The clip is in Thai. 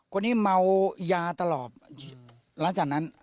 คนนี้เมายาตลอดหลังจากนั้น